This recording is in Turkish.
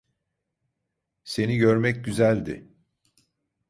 Seni görmek güzeldi.